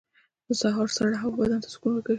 • د سهار سړه هوا بدن ته سکون ورکوي.